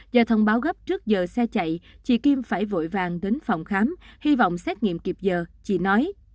do thông báo gấp trước giờ xe chạy chị kim phải vội vàng đến phòng khám hy vọng xét nghiệm kịp giờ chị nói